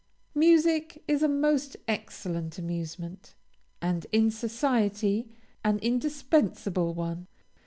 Music is a most excellent amusement, and, in society, an indispensable one.